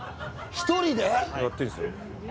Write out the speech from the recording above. １人で？